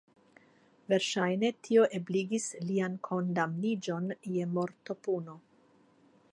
Verŝajne tio ebligis lian kondamniĝon je mortopuno.